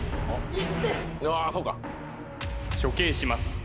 １点処刑します